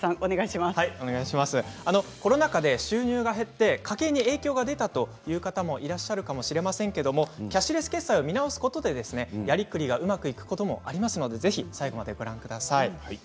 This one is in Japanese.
コロナ禍で収入が減って家計に影響が出たという方もいらっしゃるかもしれませんけれども、キャッシュレス決済を見直すことでやりくりがうまくいくこともありますのでぜひ最後まで、ご覧ください。